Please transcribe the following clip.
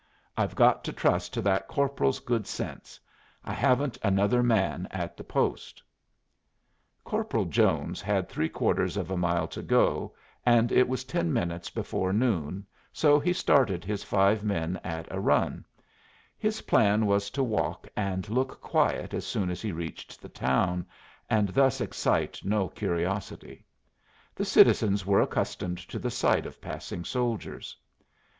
I've got to trust to that corporal's good sense. I haven't another man at the post." [Illustration: "HIS PLAN WAS TO WALK AND KEEP QUIET"] Corporal Jones had three quarters of a mile to go, and it was ten minutes before noon, so he started his five men at a run. His plan was to walk and look quiet as soon as he reached the town, and thus excite no curiosity. The citizens were accustomed to the sight of passing soldiers.